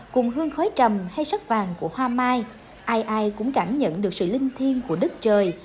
cùng hương khói trầm hay sắc vàng của hoa mai ai ai cũng cảm nhận được sự linh thiên của đất trời